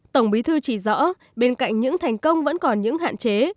tổng bí thư chỉ rõ bên cạnh những thành công vẫn còn những hạn chế